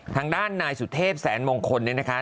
ทางด้านนายสุเทพแสนมงคลเนี่ยนะคะ